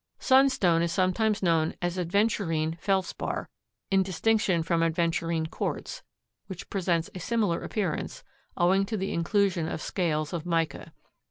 Sunstone is sometimes known as aventurine Feldspar, in distinction from aventurine quartz, which presents a similar appearance, owing to the inclusion of scales of mica.